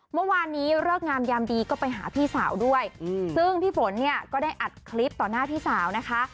เมื่อวานนี้เลิกงามยามดีก็ไปหาพี่สาวด้วยซึ่งพี่ฝนเนี่ยก็ได้อัดคลิปต่อหน้าพี่สาวนะคะ